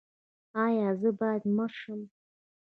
ایا زه باید مړ شم؟